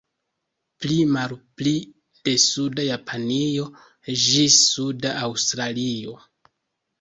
Pli-malpli de suda Japanio ĝis suda Aŭstralio.